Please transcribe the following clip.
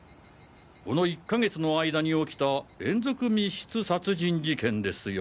この１か月の間に起きた連続密室殺人事件ですよ。